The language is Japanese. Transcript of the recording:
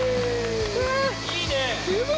◆いいね！